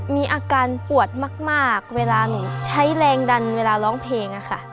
มีอาการปวดมากเวลาหนูใช้แรงดันเวลาร้องเพลงอะค่ะ